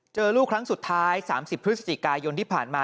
เจอลูกครั้งสุดท้าย๓๐พฤศจิกายนที่ผ่านมา